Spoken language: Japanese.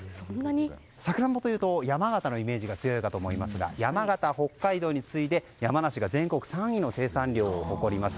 サクランボというと山形のイメージが強いかと思いますが山形、北海道に次いで山梨が全国３位の生産量を誇ります。